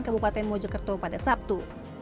kebupaten mojokerto pada sabtu